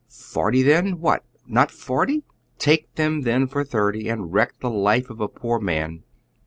Forty then 'i What, not forty? Take them then for thirty, and wreck the life of a poor man.